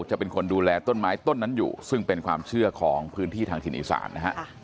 จะเป็นคนดูแลต้นไม้ต้นนั้นอยู่ซึ่งเป็นความเชื่อของพื้นที่ทางถิ่นอีสานนะฮะ